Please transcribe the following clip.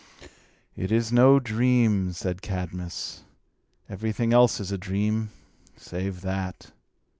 "It is no dream," said Cadmus. "Everything else is a dream, save that."